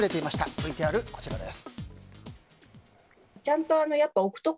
ＶＴＲこちらです。